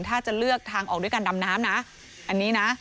ถ้าจะเลือกทางออกด้วยการดำน้ำนะอันนี้นะ